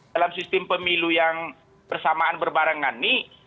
dalam sistem pemilu yang bersamaan berbarengan ini